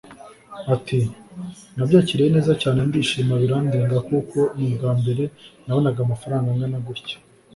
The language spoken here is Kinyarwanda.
Ati “Nabyakiriye neza cyane ndishima birandenga kuko ni ubwa mbere nabona amafaranga angana gutya